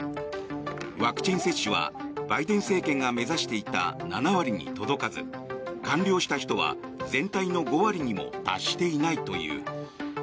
ワクチン接種はバイデン政権が目指していた７割に届かず完了した人は全体の５割にも達していないという。